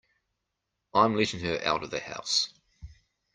I'm letting her out of the house.